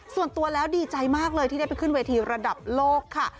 ส่วนตัวแล้วดีใจมากเลยที่ได้ไปขึ้นเวทีระดับโลกค่ะ